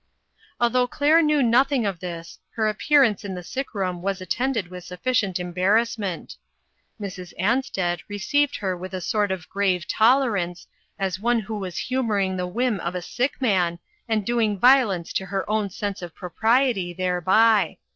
Although Claire knew nothing of this, her appearance in the sick room was at tended with sufficient embarrassment. Mrs. Ansted received her with a sort of grave tolerance, as one who was humoring the whim of a sick man, and doing violence to her own sense of propriety thereby.